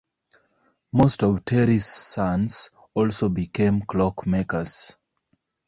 Most of Terry's sons also became clockmakers.